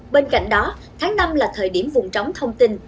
bên cạnh đó tháng năm là thời điểm vùng tróng thông tin